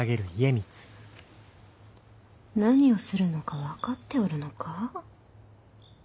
何をするのか分かっておるのか？